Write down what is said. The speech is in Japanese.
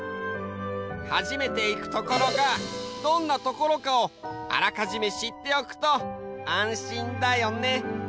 初めていくところがどんなところかをあらかじめしっておくと安心だよね。